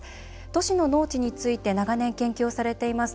都市の農地について長年研究されています